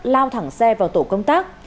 lao thẳng xe vào tổ công tác